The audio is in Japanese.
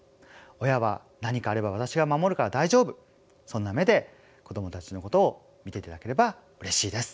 親は何かあれば私が守るから大丈夫そんな目で子どもたちのことを見ていただければうれしいです。